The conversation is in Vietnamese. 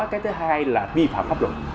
cái thứ hai là vi phạm pháp luận